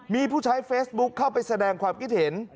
มีผู้ใช้เฟซบุ๊คเข้าไปแสดงความคิดเห็น